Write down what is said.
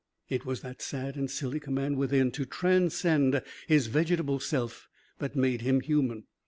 It was that sad and silly command within to transcend his vegetable self that made him human.